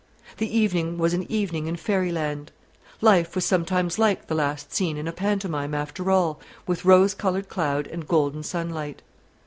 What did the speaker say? The evening was an evening in fairy land. Life was sometimes like the last scene in a pantomime, after all, with rose coloured cloud and golden sunlight.